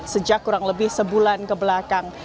sejak kurang lebih sebulan kebelakang